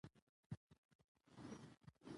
ژبه د بیان ښکلا لري.